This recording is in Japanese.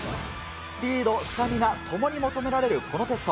スピード、スタミナ、ともに求められるこのテスト。